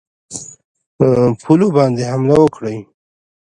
پولو باندي حمله وکړي.